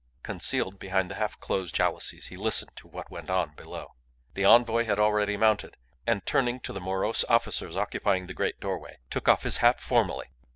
Concealed behind the half closed jalousies he listened to what went on below. The envoy had already mounted, and turning to the morose officers occupying the great doorway, took off his hat formally.